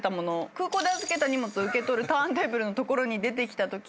空港で預けた荷物を受け取るターンテーブルのところに出てきたとき